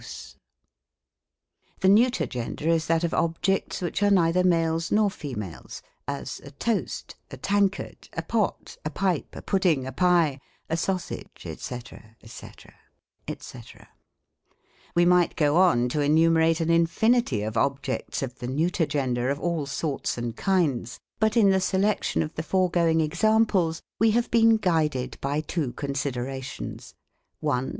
30 THE COMIC ENGLISH GRAMMAR. The neuter gender is that of objects which are neither male^ nor females : as, a toast, a tankard, a pot, a pipe, a pudding, a pie, a sausage, &c. &c. &c. We might go on to enumerate an infinity of objects of the neuter gender, of all sorts and kinds ; but in the se lection of the foregoing examples we have been guided by two considerations :— 1.